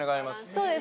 そうです